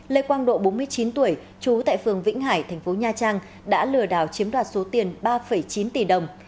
lê quang độ bốn mươi chín tuổi trú tại phường vĩnh hải thành phố nha trang đã lừa đảo chiếm đoạt số tiền ba chín tỷ đồng